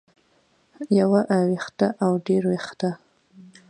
يو وېښتۀ او ډېر وېښتۀ